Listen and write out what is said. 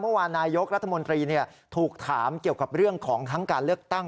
เมื่อวานนี้นายกรัฐมนตรีถูกถามเกี่ยวกับเรื่องของทั้งการเลือกตั้ง